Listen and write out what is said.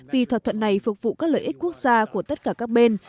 vì thỏa thuận này phục vụ các lợi ích quốc gia của tất cả các bên